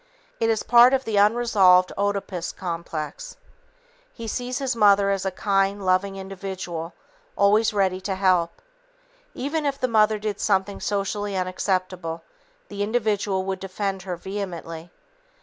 It is part of the unresolved Oedipus complex. He sees his mother as a kind, loving individual, always ready to help. Even if the mother did something socially unacceptable, the individual would defend her vehemently.